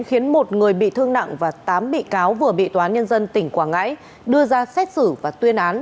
khiến một người bị thương nặng và tám bị cáo vừa bị tòa án nhân dân tỉnh quảng ngãi đưa ra xét xử và tuyên án